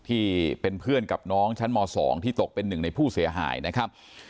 ที่เป็นเพื่อนกับน้องชั้นม๒ที่ตกเป็นหนึ่งในผู้เสียหายนะครับ